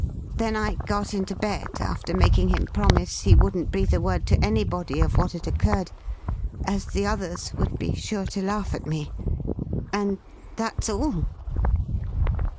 Then I got into bed, after making him promise he wouldn't breathe a word to anybody of what had occurred, as the others would be sure to laugh at me; and that's all."